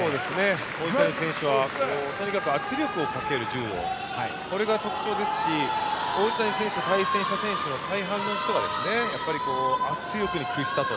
王子谷選手はとにかく圧力をかける柔道これが特徴ですし王子谷選手と対戦した選手の大半の人は圧力に屈したと。